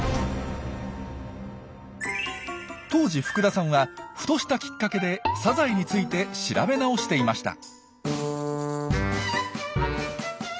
当時福田さんはふとしたきっかけでサザエについて調べ直していました。